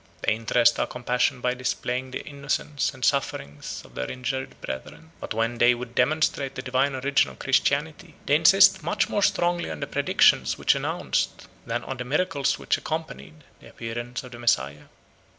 They interest our compassion by displaying the innocence and sufferings of their injured brethren. But when they would demonstrate the divine origin of Christianity, they insist much more strongly on the predictions which announced, than on the miracles which accompanied, the appearance of the Messiah.